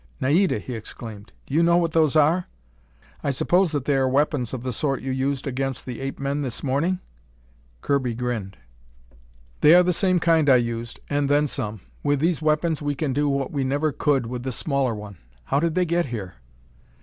"Naida," he exclaimed, "do you know what those are?" "I suppose that they are weapons of the sort you used against the ape men this morning?" Kirby grinned. "They are the same kind I used, and then some. With these weapons we can do what we never could with the smaller one. How did they get here?"